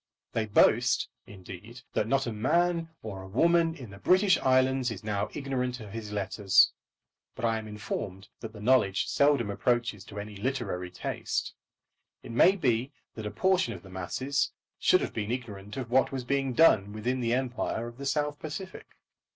They boast, indeed, that not a man or a woman in the British Islands is now ignorant of his letters; but I am informed that the knowledge seldom approaches to any literary taste. It may be that a portion of the masses should have been ignorant of what was being done within the empire of the South Pacific.